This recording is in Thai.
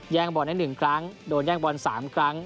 บอลได้๑ครั้งโดนแย่งบอล๓ครั้ง